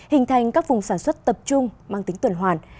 hình thành các vùng sản xuất tập trung mang tính tuần hoàn